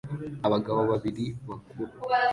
Abagabo babiri bakuru